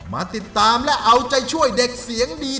มาติดตามและเอาใจช่วยเด็กเสียงดี